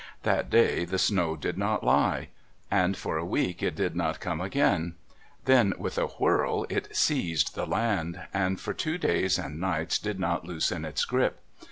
That day the snow did not lie; and for a week it did not come again; then with a whirl it seized the land, and for two days and nights did not loosen its grip.